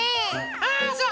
あそう？